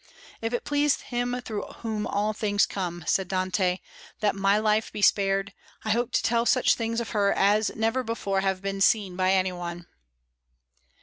"If it please Him through whom all things come," said Dante, "that my life be spared, I hope to tell such things of her as never before have been seen by any one."